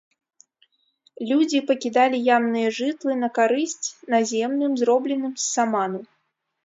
Людзі пакідалі ямныя жытлы на карысць наземным, зробленым з саману.